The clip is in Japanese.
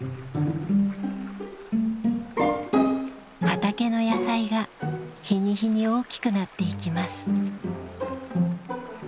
畑の野菜が日に日に大きくなっていきます。